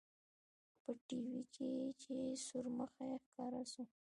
په ټي وي کښې چې سورمخى ښکاره سو.